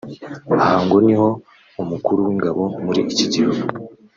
Aha ngo niho umukuru w’ingabo muri iki gice